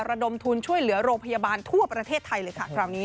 ระดมทุนช่วยเหลือโรงพยาบาลทั่วประเทศไทยเลยค่ะคราวนี้